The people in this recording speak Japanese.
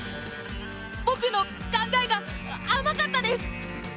僕の考えが甘かったです！